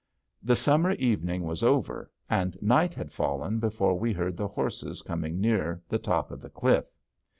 The summer evening was over and night had fallen before we heard the horses coming near the top of the cliff.